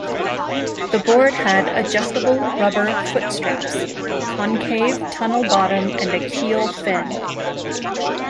The board had adjustable rubber foot-straps, concave tunnel bottom and a keel fin.